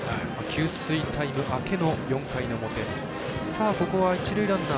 給水タイム明けの４回表。